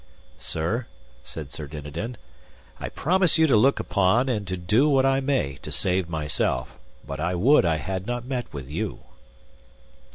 Sir, said Sir Dinadan, I promise you to look upon and to do what I may to save myself, but I would I had not met with you.